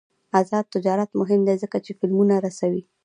آزاد تجارت مهم دی ځکه چې فلمونه رسوي.